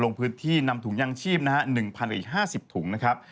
ลงพื้นที่นำถุงยางชีพนะฮะ๑๐อีก๕๐ถุงนะครับ